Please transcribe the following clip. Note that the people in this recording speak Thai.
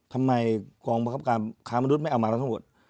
ทำไมกองภาพการค้ามนุษย์ไม่เอามาแล้วทั้งหมด